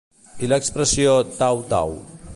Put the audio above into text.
I l'expressió tau, tau?